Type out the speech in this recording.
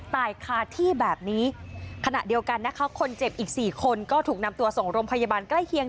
ตายคาที่แบบนี้ขณะเดียวกันนะคะคนเจ็บอีกสี่คนก็ถูกนำตัวส่งโรงพยาบาลใกล้เคียง